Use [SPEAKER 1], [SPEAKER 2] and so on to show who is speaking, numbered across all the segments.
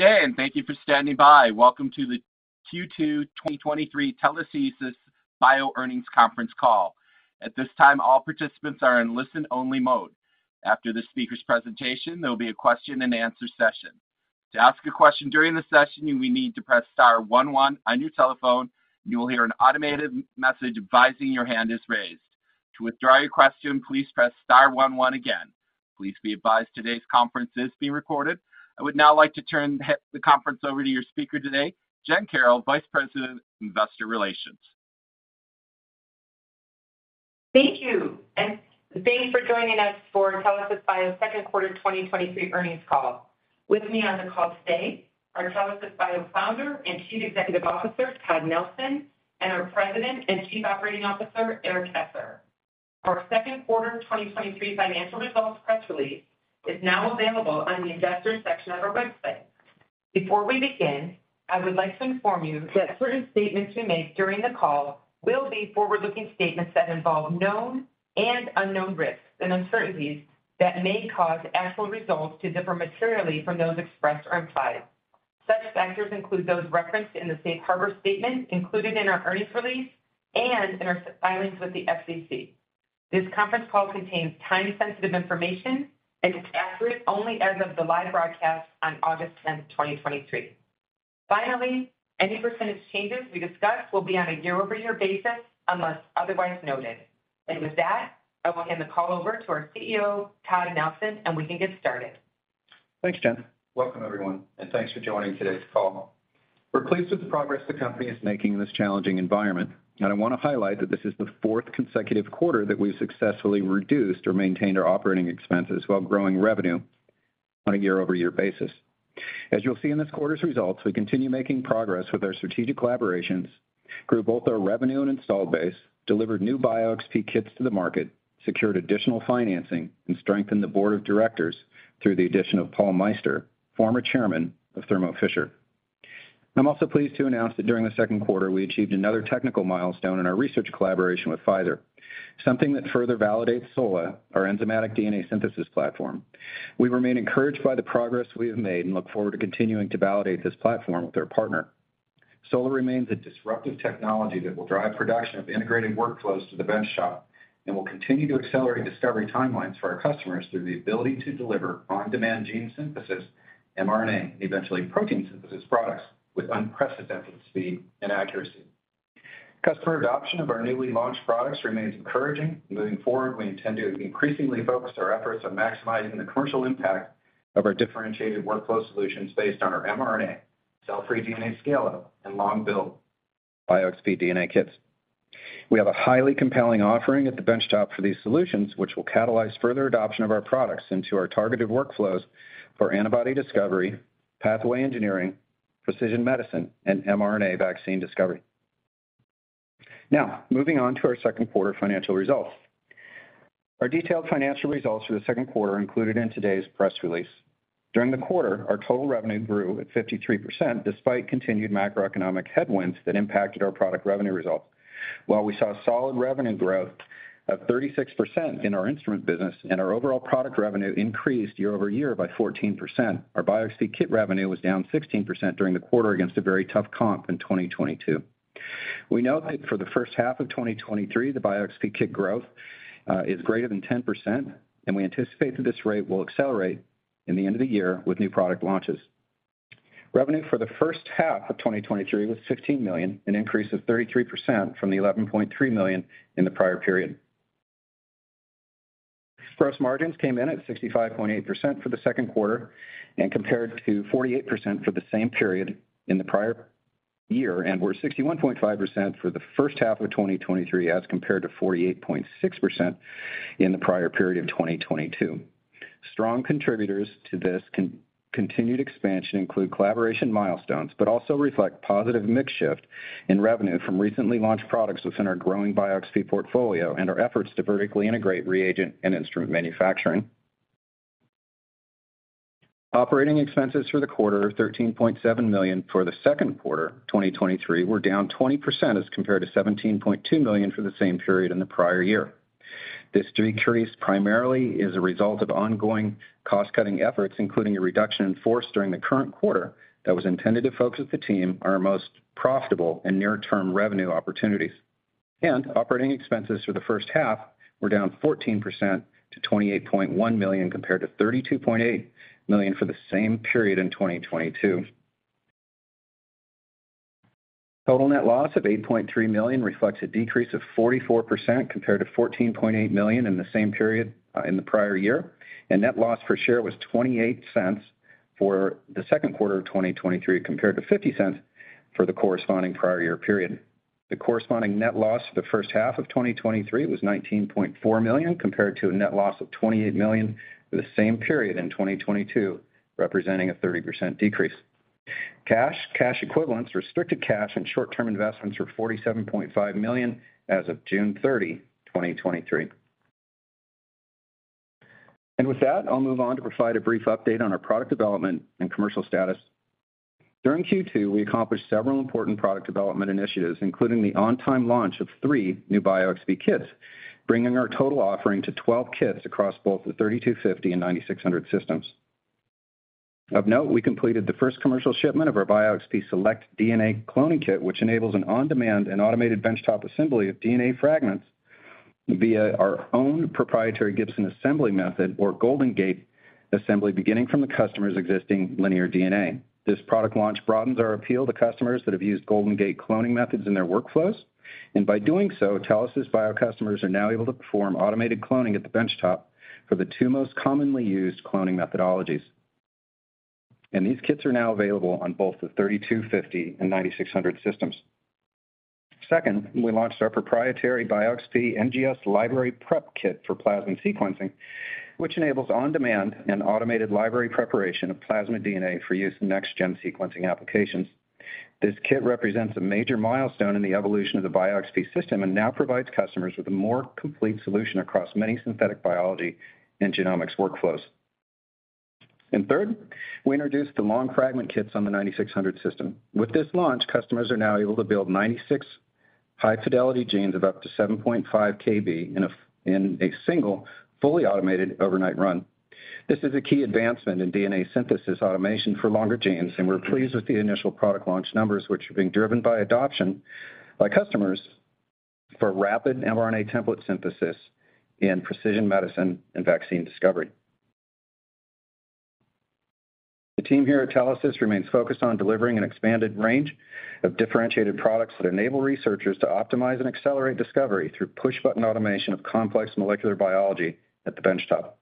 [SPEAKER 1] Good day, and thank you for standing by. Welcome to the Q2 2023 Telesis Bio earnings conference call. At this time, all participants are in listen-only mode. After the speaker's presentation, there will be a question-and-answer session. To ask a question during the session, you will need to press star one one on your telephone, and you will hear an automated message advising your hand is raised. To withdraw your question, please press star one one again. Please be advised today's conference is being recorded. I would now like to turn the conference over to your speaker today, Jen Carroll, Vice President of Investor Relations.
[SPEAKER 2] Thank you. Thanks for joining us for Telesis Bio's second quarter 2023 earnings call. With me on the call today, our Telesis Bio Founder and Chief Executive Officer, Todd Nelson, and our President and Chief Operating Officer, Eric Esser. Our second quarter 2023 financial results press release is now available on the investors section of our website. Before we begin, I would like to inform you that certain statements we make during the call will be forward-looking statements that involve known and unknown risks and uncertainties that may cause actual results to differ materially from those expressed or implied. Such factors include those referenced in the safe harbor statement included in our earnings release and in our filings with the SEC. This conference call contains time-sensitive information, and it's accurate only as of the live broadcast on August 10th, 2023. Finally, any percent changes we discuss will be on a year-over-year basis unless otherwise noted. With that, I will hand the call over to our CEO, Todd Nelson, and we can get started.
[SPEAKER 3] Thanks, Jen. Welcome, everyone, and thanks for joining today's call. We're pleased with the progress the company is making in this challenging environment, and I want to highlight that this is the fourth consecutive quarter that we've successfully reduced or maintained our operating expenses while growing revenue on a year-over-year basis. As you'll see in this quarter's results, we continue making progress with our strategic collaborations, grew both our revenue and installed base, delivered new BioXp kits to the market, secured additional financing, and strengthened the board of directors through the addition of Paul Meister, former chairman of Thermo Fisher. I'm also pleased to announce that during the second quarter, we achieved another technical milestone in our research collaboration with Pfizer, something that further validates SOLA, our enzymatic DNA synthesis platform. We remain encouraged by the progress we have made and look forward to continuing to validate this platform with our partner. SOLA remains a disruptive technology that will drive production of integrated workflows to the benchtop and will continue to accelerate discovery timelines for our customers through the ability to deliver on-demand gene synthesis, mRNA, and eventually protein synthesis products with unprecedented speed and accuracy. Customer adoption of our newly launched products remains encouraging. Moving forward, we intend to increasingly focus our efforts on maximizing the commercial impact of our differentiated workflow solutions based on our mRNA, cell-free DNA scale-out, and long-build BioXp DNA kits. We have a highly compelling offering at the benchtop for these solutions, which will catalyze further adoption of our products into our targeted workflows for antibody discovery, pathway engineering, precision medicine, and mRNA vaccine discovery. Moving on to our second quarter financial results. Our detailed financial results for the second quarter are included in today's press release. During the quarter, our total revenue grew at 53%, despite continued macroeconomic headwinds that impacted our product revenue results. While we saw solid revenue growth of 36% in our instrument business and our overall product revenue increased year-over-year by 14%, our BioXp kit revenue was down 16% during the quarter against a very tough comp in 2022. We note that for the first half of 2023, the BioXp kit growth is greater than 10%, and we anticipate that this rate will accelerate in the end of the year with new product launches. Revenue for the first half of 2023 was $16 million, an increase of 33% from the $11.3 million in the prior period. Gross margins came in at 65.8% for the second quarter and compared to 48% for the same period in the prior year, and were 61.5% for the first half of 2023, as compared to 48.6% in the prior period of 2022. Strong contributors to this continued expansion include collaboration milestones, but also reflect positive mix shift in revenue from recently launched products within our growing BioXp portfolio and our efforts to vertically integrate reagent and instrument manufacturing. Operating expenses for the quarter are $13.7 million for the second quarter, 2023, were down 20% as compared to $17.2 million for the same period in the prior year. This decrease primarily is a result of ongoing cost-cutting efforts, including a reduction in force during the current quarter that was intended to focus the team on our most profitable and near-term revenue opportunities. Operating expenses for the first half were down 14% to $28.1 million, compared to $32.8 million for the same period in 2022. Total net loss of $8.3 million reflects a decrease of 44%, compared to $14.8 million in the same period, in the prior year, and net loss per share was $0.28 for the second quarter of 2023, compared to $0.50 for the corresponding prior year period. The corresponding net loss for the first half of 2023 was $19.4 million, compared to a net loss of $28 million for the same period in 2022, representing a 30% decrease. Cash, cash equivalents, restricted cash, and short-term investments were $47.5 million as of June 30, 2023. With that, I'll move on to provide a brief update on our product development and commercial status. During Q2, we accomplished several important product development initiatives, including the on-time launch of three new BioXp kits, bringing our total offering to 12 kits across both the 3250 and 9600 system. Of note, we completed the first commercial shipment of our BioXp Select DNA Cloning Kit, which enables an on-demand and automated benchtop assembly of DNA fragments via our own proprietary Gibson Assembly method, or Golden Gate assembly, beginning from the customer's existing linear DNA. This product launch broadens our appeal to customers that have used Golden Gate cloning methods in their workflows. By doing so, Telesis Bio customers are now able to perform automated cloning at the benchtop for the two most commonly used cloning methodologies. These kits are now available on both the 3250 and 9600 systems. Second, we launched our proprietary BioXp NGS Library Prep Kit for plasma sequencing, which enables on-demand and automated library preparation of plasma DNA for use in next-gen sequencing applications. This kit represents a major milestone in the evolution of the BioXp system and now provides customers with a more complete solution across many synthetic biology and genomics workflows. Third, we introduced the long fragment kits on the 9600 system. With this launch, customers are now able to build 96 high-fidelity genes of up to 7.5 kb in a single, fully automated overnight run. This is a key advancement in DNA synthesis automation for longer genes, and we're pleased with the initial product launch numbers, which are being driven by adoption by customers for rapid mRNA template synthesis in precision medicine and vaccine discovery. The team here at Telesis remains focused on delivering an expanded range of differentiated products that enable researchers to optimize and accelerate discovery through push-button automation of complex molecular biology at the benchtop.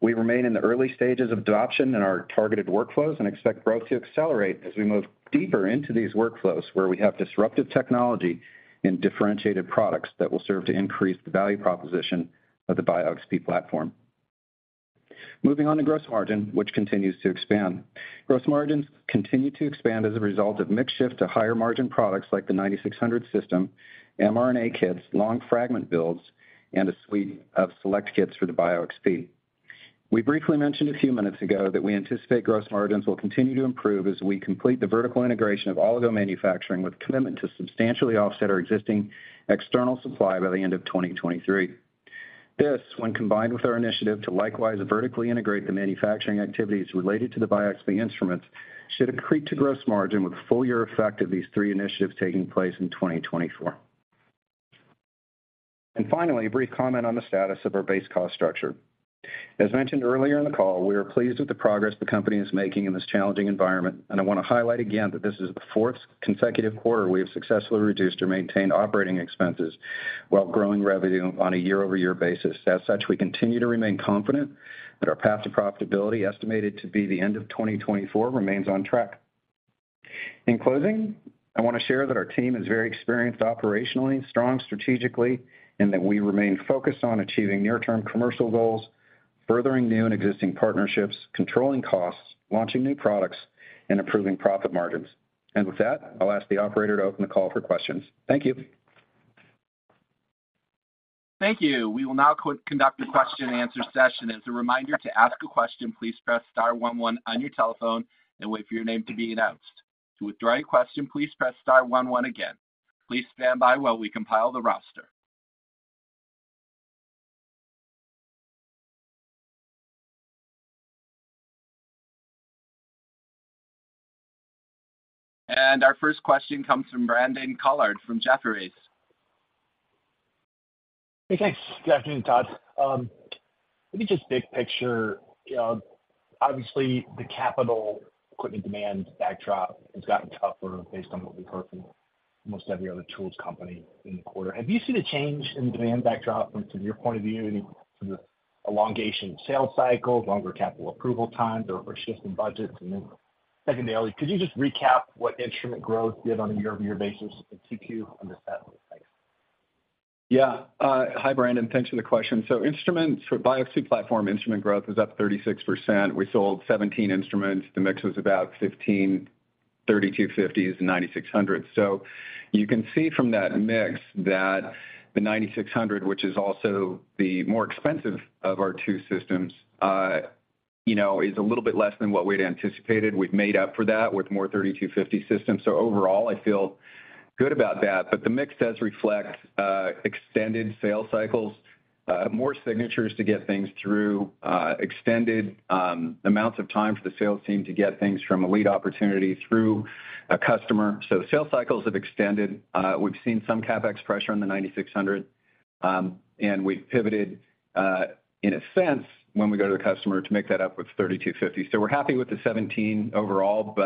[SPEAKER 3] We remain in the early stages of adoption in our targeted workflows and expect growth to accelerate as we move deeper into these workflows, where we have disruptive technology and differentiated products that will serve to increase the value proposition of the BioXp platform. Moving on to gross margin, which continues to expand. Gross margins continue to expand as a result of mix shift to higher-margin products like the BioXp 9600 system, mRNA kits, long fragment builds, and a suite of BioXp Select kits. We briefly mentioned a few minutes ago that we anticipate gross margins will continue to improve as we complete the vertical integration of oligo manufacturing, with a commitment to substantially offset our existing external supply by the end of 2023. This, when combined with our initiative to likewise vertically integrate the manufacturing activities related to the BioXp instruments, should accrete to gross margin with full year effect of these three initiatives taking place in 2024. Finally, a brief comment on the status of our base cost structure. As mentioned earlier in the call, we are pleased with the progress the company is making in this challenging environment. I want to highlight again that this is the fourth consecutive quarter we have successfully reduced or maintained operating expenses while growing revenue on a year-over-year basis. As such, we continue to remain confident that our path to profitability, estimated to be the end of 2024, remains on track. In closing, I want to share that our team is very experienced operationally, strong strategically, and that we remain focused on achieving near-term commercial goals, furthering new and existing partnerships, controlling costs, launching new products, and improving profit margins. With that, I'll ask the operator to open the call for questions. Thank you.
[SPEAKER 1] Thank you. We will now conduct a question-and-answer session. As a reminder, to ask a question, please press star one one on your telephone and wait for your name to be announced. To withdraw your question, please press star one one again. Please stand by while we compile the roster. Our first question comes from Brandon Collard from Jefferies.
[SPEAKER 4] Hey, thanks. Good afternoon, Todd. Let me just big picture. Obviously, the capital equipment demand backdrop has gotten tougher based on what we've heard from almost every other tools company in the quarter. Have you seen a change in demand backdrop from, from your point of view, in terms of elongation of sales cycles, longer capital approval times, or shift in budgets? Secondarily, could you just recap what instrument growth did on a year-over-year basis in Q2 under that lens, please?
[SPEAKER 3] Yeah. Hi, Brandon. Thanks for the question. Instruments, for BioXp platform, instrument growth is up 36%. We sold 17 instruments. The mix was about 15, 3250s and 9600s. You can see from that mix that the 9600, which is also the more expensive of our two systems, you know, is a little bit less than what we'd anticipated. We've made up for that with more 3250 systems. Overall, I feel good about that, but the mix does reflect extended sales cycles, more signatures to get things through, extended amounts of time for the sales team to get things from a lead opportunity through a customer. Sales cycles have extended. We've seen some CapEx pressure in the 9600. We've pivoted, in a sense, when we go to the customer, to make that up with 3250. We're happy with the 17 overall.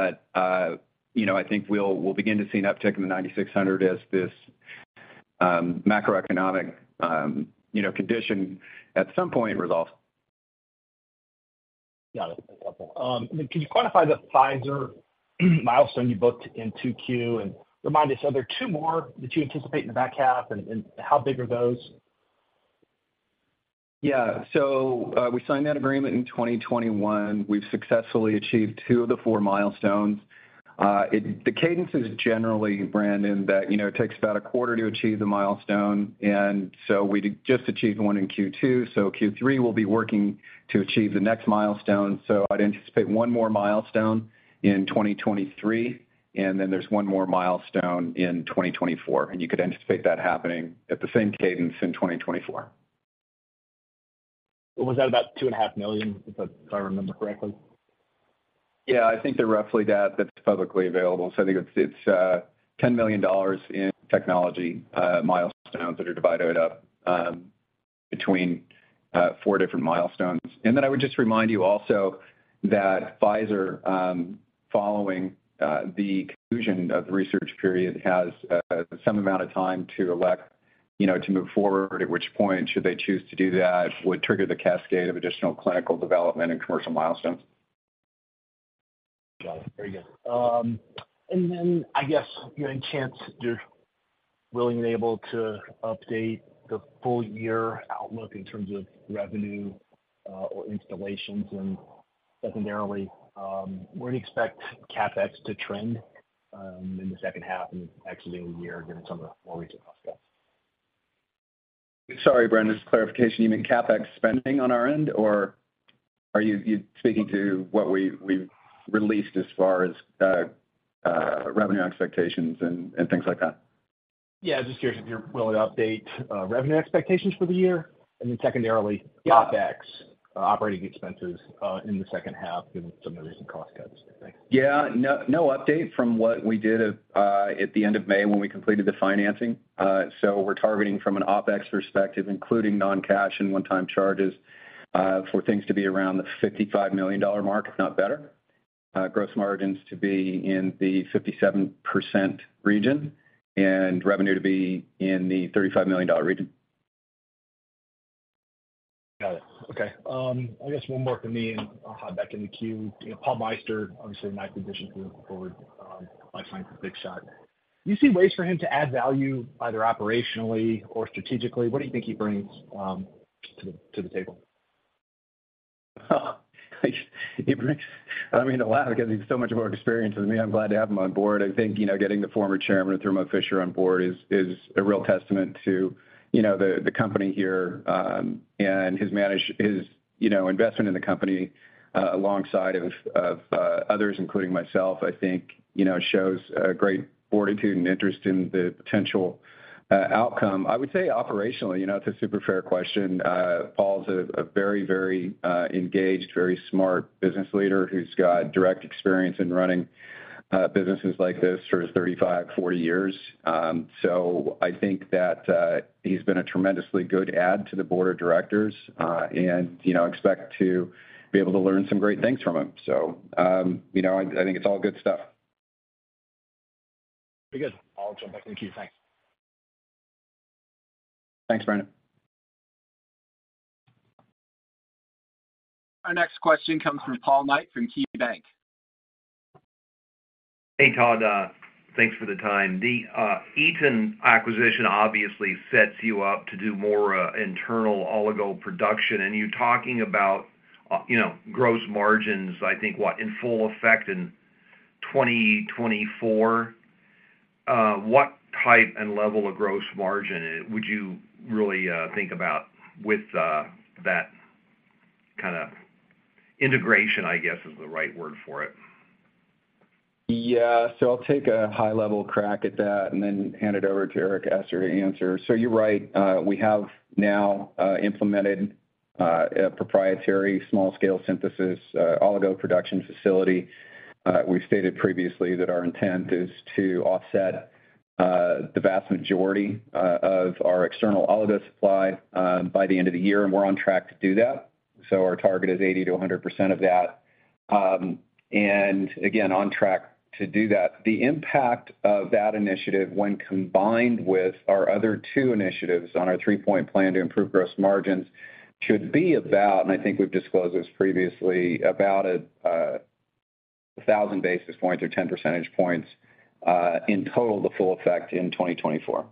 [SPEAKER 3] You know, I think we'll, we'll begin to see an uptick in the 9600 as this, macroeconomic, you know, condition at some point resolves.
[SPEAKER 4] Got it. That's helpful. Can you quantify the Pfizer milestone you booked in Q2, and remind me, so are there two more that you anticipate in the back half, and how big are those?
[SPEAKER 3] Yeah, we signed that agreement in 2021. We've successfully achieved two of the four milestones. The cadence is generally, Brandon, that, you know, it takes about a quarter to achieve the milestone, and so we just achieved one in Q2, so Q3 will be working to achieve the next milestone. I'd anticipate one more milestone in 2023, and then there's one more milestone in 2024, and you could anticipate that happening at the same cadence in 2024.
[SPEAKER 4] Was that about $2.5 million, if I, if I remember correctly?
[SPEAKER 3] Yeah, I think they're roughly that. That's publicly available, so I think it's, it's $10 million in technology milestones that are divided up between four different milestones. I would just remind you also that Pfizer, following the conclusion of the research period, has some amount of time to elect, you know, to move forward, at which point, should they choose to do that, would trigger the cascade of additional clinical development and commercial milestones.
[SPEAKER 4] Got it. Very good. Then I guess, you know, any chance you're willing and able to update the full year outlook in terms of revenue, or installations? Secondarily, where do you expect CapEx to trend in the second half and actually over the year, given some of the more recent costs?
[SPEAKER 3] Sorry, Brandon, just clarification, you mean CapEx spending on our end, or are you speaking to what we've released as far as revenue expectations and things like that?
[SPEAKER 4] Yeah, just curious if you're willing to update revenue expectations for the year, and then secondarily, CapEx, operating expenses in the second half, given some of the recent cost cuts. Thanks.
[SPEAKER 3] Yeah. No, no update from what we did at the end of May when we completed the financing. We're targeting from an OpEx perspective, including non-cash and one-time charges, for things to be around the $55 million mark, if not better. Gross margins to be in the 57% region, revenue to be in the $35 million region.
[SPEAKER 4] Got it. Okay, I guess one more from me, and I'll hop back in the queue. You know, Paul Meister, obviously a nice addition to the board, I find for Big Shot. Do you see ways for him to add value, either operationally or strategically? What do you think he brings to the, to the table?
[SPEAKER 3] Well, he brings.I mean, a lot, because he's so much more experienced than me. I'm glad to have him on board. I think, you know, getting the former chairman of Thermo Fisher on board is, is a real testament to, you know, the, the company here, and his manage- his, you know, investment in the company, alongside of, of, others, including myself, I think, you know, shows a great fortitude and interest in the potential, outcome. I would say operationally, you know, it's a super fair question. Paul's a very, engaged, very smart business leader who's got direct experience in running, businesses like this for 35, 40 years. I think that, he's been a tremendously good add to the board of directors, and, you know, expect to be able to learn some great things from him. You know, I, I think it's all good stuff.
[SPEAKER 4] Very good. I'll jump back in the queue. Thanks.
[SPEAKER 3] Thanks, Brandon.
[SPEAKER 1] Our next question comes from Paul Knight, from KeyBanc.
[SPEAKER 5] Hey, Todd, thanks for the time. The Eton acquisition obviously sets you up to do more internal oligo production, and you're talking about, you know, gross margins, I think, what, in full effect in 2024? What type and level of gross margin would you really think about with that kind of integration, I guess, is the right word for it?
[SPEAKER 3] Yeah. I'll take a high-level crack at that and then hand it over to Eric Esser to answer. You're right, we have now implemented a proprietary small-scale synthesis oligo production facility. We've stated previously that our intent is to offset the vast majority of our external oligo supply by the end of the year, and we're on track to do that. Our target is 80%-100% of that. And again, on track to do that. The impact of that initiative, when combined with our other two initiatives on our three-point plan to improve gross margins, should be about, and I think we've disclosed this previously, about a 1,000 basis points or 10 percentage points in total, the full effect in 2024.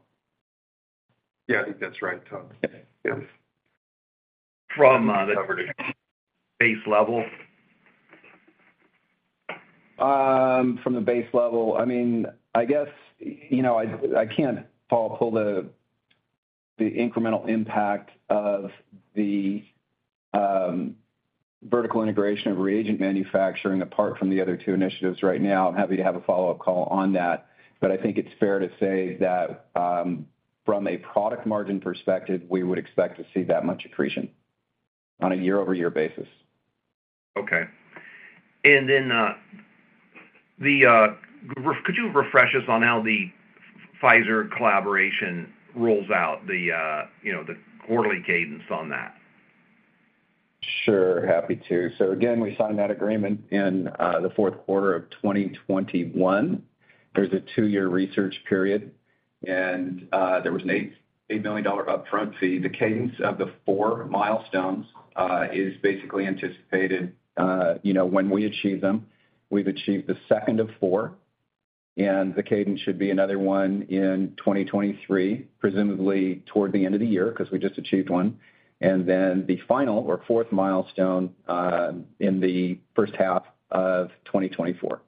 [SPEAKER 5] Yeah, I think that's right, Todd.
[SPEAKER 3] Yeah.
[SPEAKER 5] From, the base level?
[SPEAKER 3] From the base level, I can't, Paul, pull the, the incremental impact of the vertical integration of reagent manufacturing apart from the other two initiatives right now. I'm happy to have a follow-up call on that, but I think it's fair to say that from a product margin perspective, we would expect to see that much accretion on a year-over-year basis.
[SPEAKER 5] Okay. Then, could you refresh us on how the Pfizer collaboration rolls out, the, you know, the quarterly cadence on that?
[SPEAKER 3] Sure, happy to. Again, we signed that agreement in the fourth quarter of 2021. There's a two-year research period, and there was an $8 million upfront fee. The cadence of the four milestones is basically anticipated, you know, when we achieve them. We've achieved the second of four. The cadence should be another one in 2023, presumably toward the end of the year, because we just achieved one, and then the final or fourth milestone in the first half of 2024.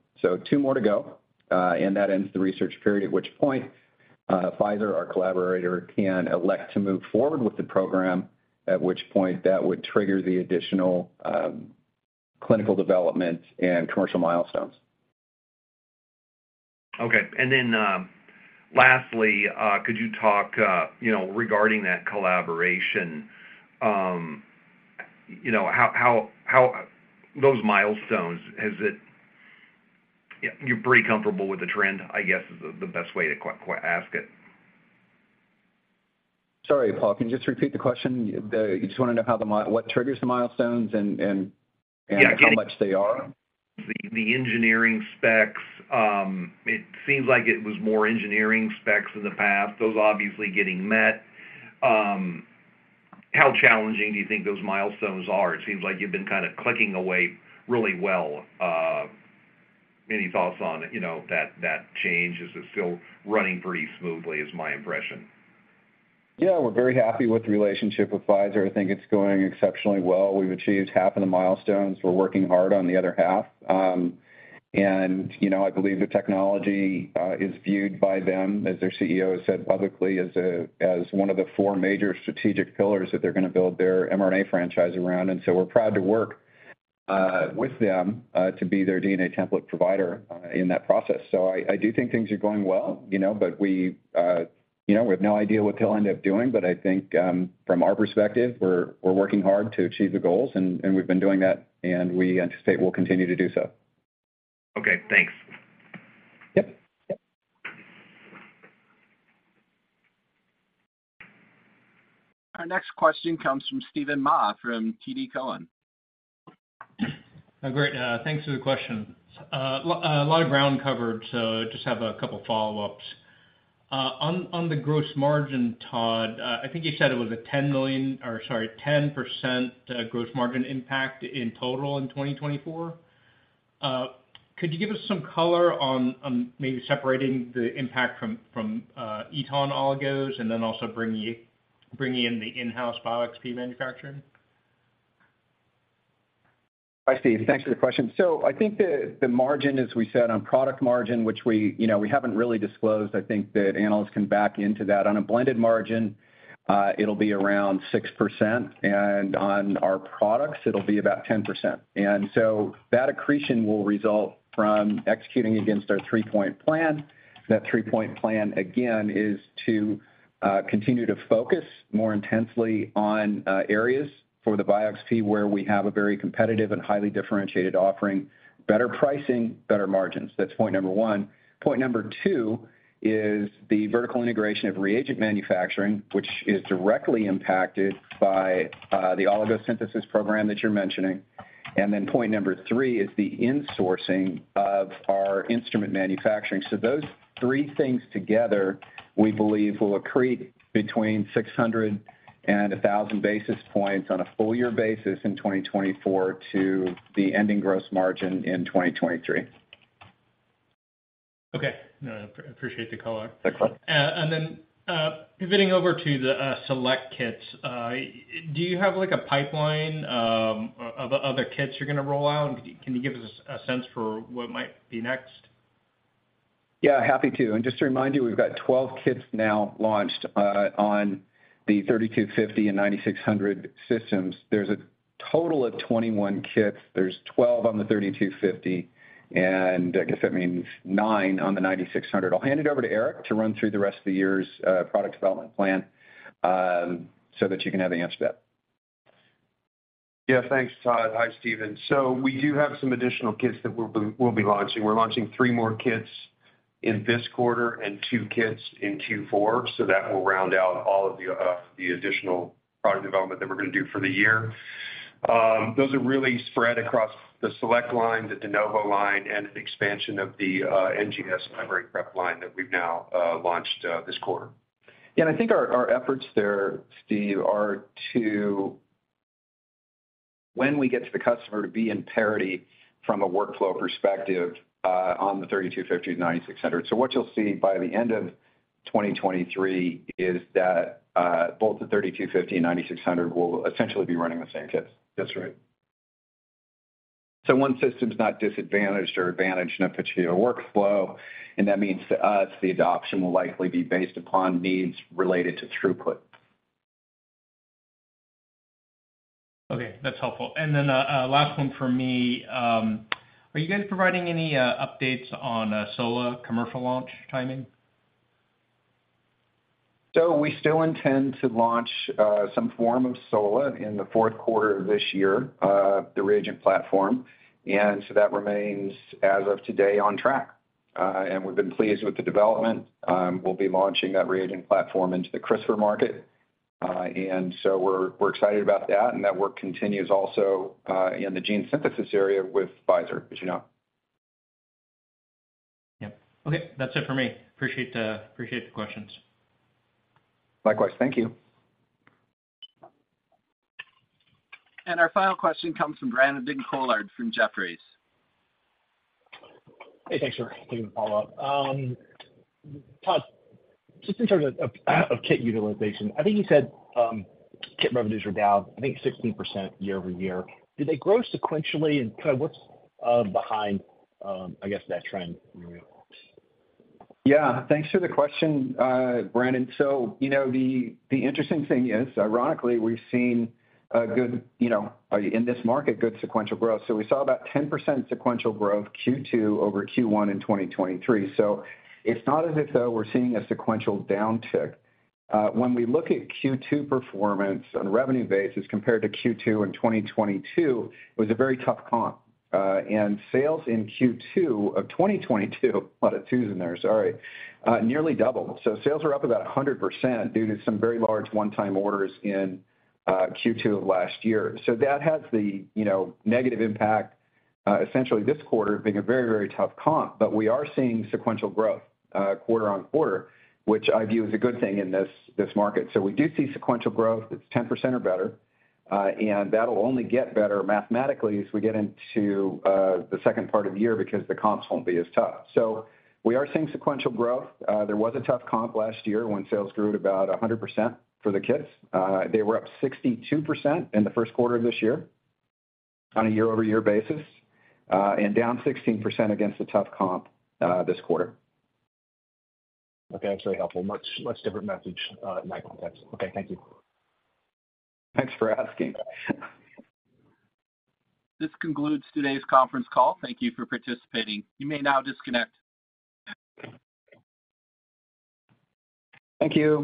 [SPEAKER 3] Two more to go, and that ends the research period, at which point Pfizer, our collaborator, can elect to move forward with the program, at which point that would trigger the additional clinical development and commercial milestones.
[SPEAKER 5] Okay. Then, lastly, could you talk, you know, regarding that collaboration, you know, how, how, how those milestones, You're pretty comfortable with the trend, I guess, is the, the best way to ask it?
[SPEAKER 3] Sorry, Paul, can you just repeat the question? You just want to know how what triggers the milestones and how much they are?
[SPEAKER 5] The, the engineering specs, it seems like it was more engineering specs in the past. Those obviously getting met. How challenging do you think those milestones are? It seems like you've been kind of clicking away really well. Any thoughts on, you know, that, that change? Is it still running pretty smoothly, is my impression.
[SPEAKER 3] Yeah, we're very happy with the relationship with Pfizer. I think it's going exceptionally well. We've achieved half of the milestones. We're working hard on the other half. You know, I believe the technology is viewed by them, as their CEO said publicly, as a, as one of the four major strategic pillars that they're going to build their mRNA franchise around, and we're proud to work with them to be their DNA template provider in that process. I, I do think things are going well, you know, but we, you know, we have no idea what they'll end up doing, but I think from our perspective, we're, we're working hard to achieve the goals, and, and we've been doing that, and we anticipate we'll continue to do so.
[SPEAKER 5] Okay, thanks.
[SPEAKER 3] Yep. Yep.
[SPEAKER 1] Our next question comes from Steven Mah, from TD Cowen.
[SPEAKER 6] Great. Thanks for the question. A lot, a lot of ground covered, so just have a couple follow-ups. On, on the gross margin, Todd, I think you said it was a $10 million, or sorry, 10%, gross margin impact in total in 2024. Could you give us some color on, on maybe separating the impact from, from, Eton oligos, and then also bringing, bringing in the in-house BioXp manufacturing?
[SPEAKER 3] Hi, Steve. Thanks for the question. I think the margin, as we said, on product margin, which we, you know, we haven't really disclosed, I think that analysts can back into that. On a blended margin, it'll be around 6%, and on our products, it'll be about 10%. That accretion will result from executing against our three-point plan. That three-point plan, again, is to continue to focus more intensely on areas for the BioXp, where we have a very competitive and highly differentiated offering, better pricing, better margins. That's point number one. Point number two is the vertical integration of reagent manufacturing, which is directly impacted by the oligosynthesis program that you're mentioning. Point number three is the insourcing of our instrument manufacturing. Those three things together, we believe, will accrete between 600 and 1,000 basis points on a full year basis in 2024 to the ending gross margin in 2023.
[SPEAKER 6] Okay. No, I appreciate the color.
[SPEAKER 3] Thanks.
[SPEAKER 6] Pivoting over to the Select kits, do you have, like, a pipeline of, of other kits you're going to roll out, and can you, can you give us a, a sense for what might be next?
[SPEAKER 3] Yeah, happy to. Just to remind you, we've got 12 kits now launched on the 3250 and 9600 systems. There's a total of 21 kits. There's 12 on the 3250, and I guess that means 9 on the 9600. I'll hand it over to Eric to run through the rest of the year's product development plan, so that you can have the answer to that.
[SPEAKER 7] Yeah, thanks, Todd. Hi, Steven. We do have some additional kits that we'll be launching. We're launching three more kits in this quarter and two kits in Q4, so that will round out all of the additional product development that we're going to do for the year. Those are really spread across the Select line, the De Novo line, and an expansion of the NGS Library Prep line that we've now launched this quarter.
[SPEAKER 3] I think our, our efforts there, Steve, are to, when we get to the customer, to be in parity from a workflow perspective, on the 3250, 9600. What you'll see by the end of 2023 is that, both the 3250 and 9600 will essentially be running the same kits.
[SPEAKER 7] That's right.
[SPEAKER 3] One system's not disadvantaged or advantaged in a particular workflow, and that means to us, the adoption will likely be based upon needs related to throughput.
[SPEAKER 6] Okay, that's helpful. Then, last one for me, are you guys providing any updates on SOLA commercial launch timing?
[SPEAKER 3] We still intend to launch some form of SOLA in the fourth quarter of this year, the reagent platform, and so that remains, as of today, on track. We've been pleased with the development. We'll be launching that reagent platform into the CRISPR market, and so we're excited about that, and that work continues also in the gene synthesis area with Pfizer, as you know.
[SPEAKER 6] Yep. Okay. That's it for me. Appreciate the, appreciate the questions.
[SPEAKER 3] Likewise. Thank you.
[SPEAKER 1] Our final question comes from Brandon Couillard from Jefferies.
[SPEAKER 4] Hey, thanks for taking the follow-up. Todd, just in terms of, of, of kit utilization, I think you said, kit revenues were down, I think, 16% year-over-year. Did they grow sequentially, and kind of what's behind, I guess, that trend year-over-year?
[SPEAKER 3] Yeah, thanks for the question, Brandon. You know, the, the interesting thing is, ironically, we've seen a good, you know, in this market, good sequential growth. We saw about 10% sequential growth, Q2 over Q1 in 2023. It's not as if though we're seeing a sequential downtick. When we look at Q2 performance on a revenue basis compared to Q2 in 2022, it was a very tough comp. Sales in Q2 of 2022, a lot of twos in there, sorry, nearly doubled. Sales are up about 100% due to some very large one-time orders in, Q2 of last year. That has the, you know, negative impact, essentially this quarter being a very, very tough comp. We are seeing sequential growth, quarter-on-quarter, which I view as a good thing in this, this market. We do see sequential growth, it's 10% or better, and that'll only get better mathematically as we get into the second part of the year because the comps won't be as tough. We are seeing sequential growth. There was a tough comp last year when sales grew at about 100% for the kits. They were up 62% in the first quarter of this year on a year-over-year basis, and down 16% against the tough comp this quarter.
[SPEAKER 4] Okay, that's really helpful. Much, much different message in my context. Okay, thank you.
[SPEAKER 3] Thanks for asking.
[SPEAKER 1] This concludes today's conference call. Thank you for participating. You may now disconnect. Thank you.